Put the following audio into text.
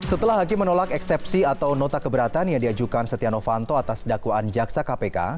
setelah hakim menolak eksepsi atau nota keberatan yang diajukan setia novanto atas dakwaan jaksa kpk